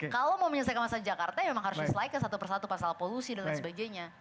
kalau mau menyelesaikan masalah jakarta ya memang harus diselike satu persatu pasal polusi dan lain sebagainya